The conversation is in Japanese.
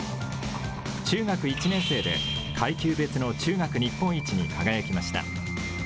中学１年生で階級別の中学日本一に輝きました。